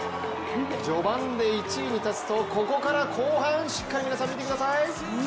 序盤で１位に立つとここから後半、しっかり見てください。